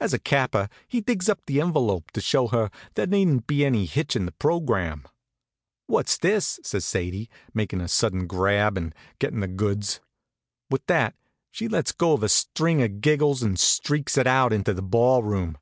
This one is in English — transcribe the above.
As a capper he digs up that envelop, to show her there needn't be any hitch in the program. "What's this?" says Sadie, making a sudden grab and gettin' the goods. With that she lets go a string of giggles and streaks it out into the ball room.